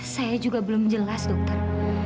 saya juga belum jelas dokter